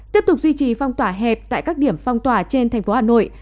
tiếp tục duy trì phong tỏa hẹp tại các điểm phong tỏa trên thành phố hà nội